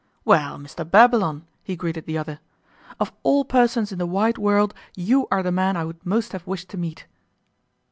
'Well, Mr Babylon,' he greeted the other, 'of all persons in the wide world you are the man I would most have wished to meet.